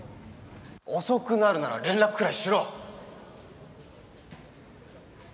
遅くなるなら連絡くらいしろ！